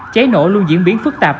cháy nổ luôn diễn biến phức tạp